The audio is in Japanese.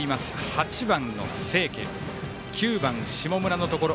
８番の清家、９番、下村のところ。